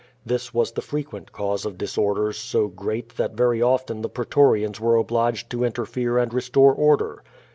This was the frequent cause of disorders so great that very often the pretorians were obliged to interfere and restore order.